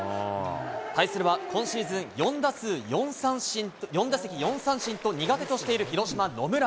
対するは今シーズン４打席４三振と苦手としている広島、野村。